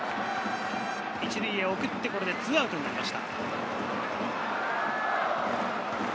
１塁へ送って２アウトになりました。